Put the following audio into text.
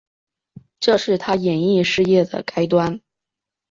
这是她演艺事业的开端。